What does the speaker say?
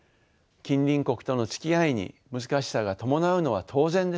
近隣国とのつきあいに難しさが伴うのは当然です。